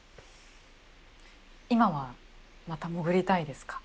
今はまた潜りたいですか？